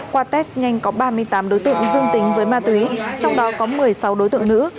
qua test nhanh có ba mươi tám đối tượng dương tính với ma túy trong đó có một mươi sáu đối tượng nữ